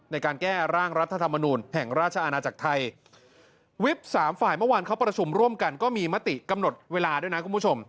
ในการแก้ร่างรัฐธรรมนูลแห่งราชอาณาจักรไทยวิบสามฝ่ายเมื่อวานเขาประชุมร่วมกันก็มีมติกำหนดเวลาด้วยนะคุณผู้ชม